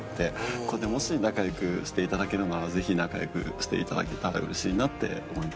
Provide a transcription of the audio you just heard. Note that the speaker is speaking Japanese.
これでもし仲良くしていただけるならぜひ仲良くしていただけたらうれしいなって思います。